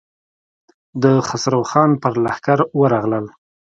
د خسرو خان پر لښکر ورغلل.